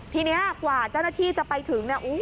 ทีนี้กว่าเจ้าหน้าที่จะไปถึงเนี่ย